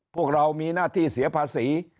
พวกเรามีหน้าที่เสียภาษี